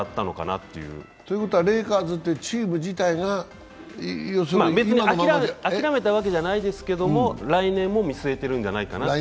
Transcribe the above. ということは、レイカーズというチーム自体が今のままで別に諦めたわけじゃないですけれども、来年も見据えてるんじゃないかなと。